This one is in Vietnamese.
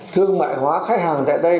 thương mại hóa khách hàng tại đây